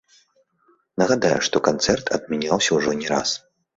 Нагадаю, што канцэрт адмяняўся ўжо не раз.